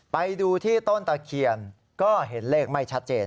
ไปดูที่ต้นตะเคียนก็เห็นเลขไม่ชัดเจน